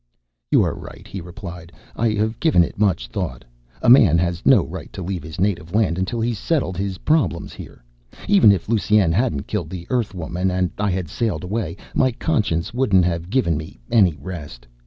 "You are right," he replied. "I have given it much thought. A man has no right to leave his native land until he's settled his problems here. Even if Lusine hadn't killed the Earthwoman and I had sailed away, my conscience wouldn't have given me any rest.